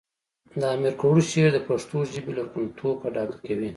د امیر کروړ شعر د پښتو ژبې لرغونتوب په ډاګه کوي